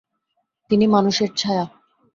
তিনি মানুষের ছায়া।